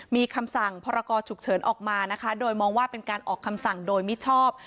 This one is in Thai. มีคำสั่งพรกรฉุกเฉินออกมานะคะโดยมองว่าเป็นการออกคำสั่งโดยมิชอบ